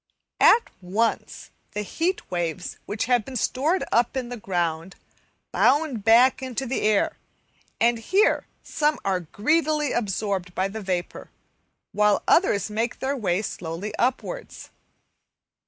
At once the heat waves which have been stored up in the ground, bound back into the air, and here some are greedily absorbed by the vapour, while others make their way slowly upwards.